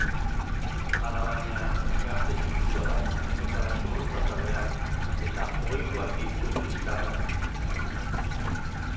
Alabaina, gazte sutsua da eta zurrutazalea, eta ohikoak ditu liskarrak.